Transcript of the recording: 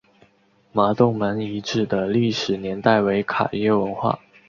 麻洞门遗址的历史年代为卡约文化。